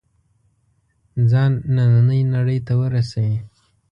ځان نننۍ نړۍ ته ورسوي.